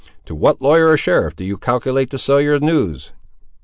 To what lawyer or sheriff do you calculate to sell your news?"